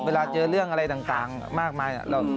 เวลาเจอเรื่องอะไรต่างมากมาย